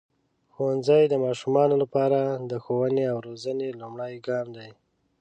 ښوونځی د ماشومانو لپاره د ښوونې او روزنې لومړنی ګام دی.